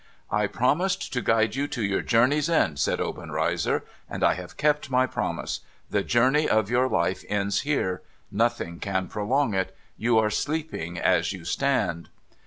' I promised to guide you to your journey's end,' said Obenreizer, ' and I have kept my promise. The journey of your life ends here. Nothing can prolong it. You are sleeping as you stand.'